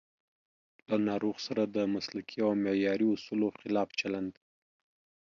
له ناروغ سره د مسلکي او معیاري اصولو خلاف چلند